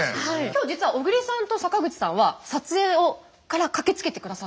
今日実は小栗さんと坂口さんは撮影から駆けつけてくださってます。